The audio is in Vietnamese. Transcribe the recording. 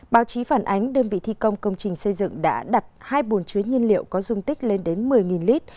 báo chí phản ánh đơn vị thi công công trình xây dựng đã đặt hai bồn chứa nhiên liệu có dung tích lên đến một mươi lít